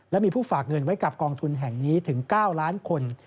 และมีผู้ฝากเงินไว้กับกองทุนแห่งนี้ถึง๙ล้านคน